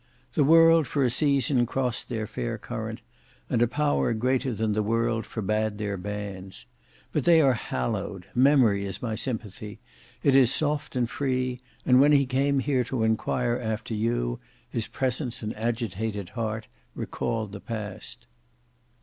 "The world for a season crossed their fair current, and a power greater than the world forbade their banns; but they are hallowed; memory is my sympathy; it is soft and free, and when he came here to enquire after you, his presence and agitated heart recalled the past."